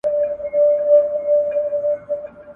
دجهان پر مخ ځليږي ,